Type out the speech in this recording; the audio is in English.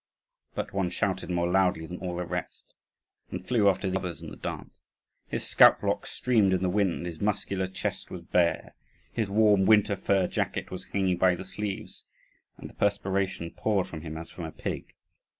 But one shouted more loudly than all the rest, and flew after the others in the dance. His scalp lock streamed in the wind, his muscular chest was bare, his warm, winter fur jacket was hanging by the sleeves, and the perspiration poured from him as from a pig.